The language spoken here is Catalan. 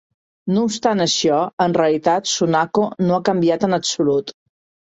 No obstant això, en realitat Sunako no ha canviat en absolut.